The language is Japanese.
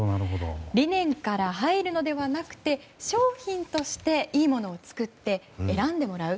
理念から入るのではなくて商品としていいものを作って選んでもらう。